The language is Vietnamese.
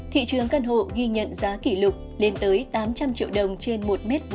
thị trường căn hộ ghi nhận giá kỷ lục lên tới tám trăm linh triệu đồng trên một m hai